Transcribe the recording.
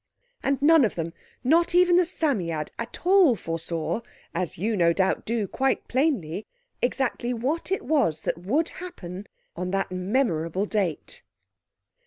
And none of them, not even the Psammead, at all foresaw, as you no doubt do quite plainly, exactly what it was that would happen on that memorable date.